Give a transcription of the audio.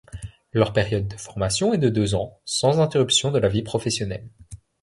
Leur période de formation est de deux ans, sans interruption de la vie professionnelle.